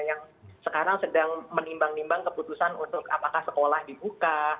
yang sekarang sedang menimbang nimbang keputusan untuk apakah sekolah dibuka